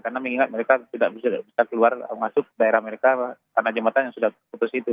karena mengingat mereka tidak bisa keluar masuk daerah mereka karena jembatan yang sudah putus itu